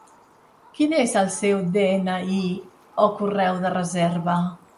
Quin és el seu de-ena-i o correu de reserva?